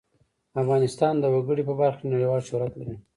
افغانستان د وګړي په برخه کې نړیوال شهرت لري.